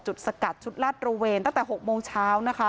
จุดสกัดจุดลาดตรวเวณตั้งแต่๖โมงเช้า